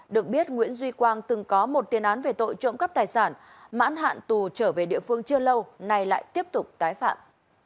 được biết nguyễn duy quang từng có một tiền án về tội trộm cắp tài sản mãn hạn tù trở về địa phương chưa lâu nay lại tiếp tục tái phạm